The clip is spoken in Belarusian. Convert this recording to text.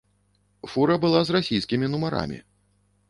Фура была з расійскімі нумарамі.